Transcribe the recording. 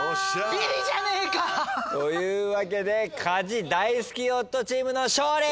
ビリじゃねえか！というわけで家事大好き夫チームの勝利！